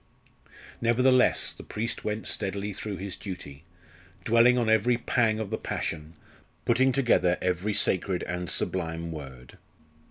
Nevertheless, the priest went steadily through his duty, dwelling on every pang of the Passion, putting together every sacred and sublime word.